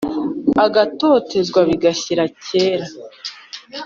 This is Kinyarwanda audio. agatotezwa bigashyira kera